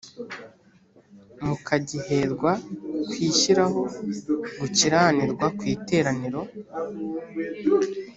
mukagiherwa kwishyiraho gukiranirwa ku iteraniro